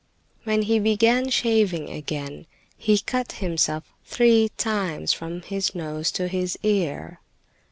When he began shaving again he cut himself three times from his nose to his ear.